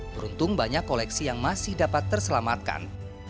beruntung banyak koleksi yang masih dapat terselamatkan